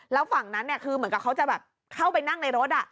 แล้วฝั่งนั้นคือเหมือนกับเขาจะแบบเข้าไปนั่งในรถ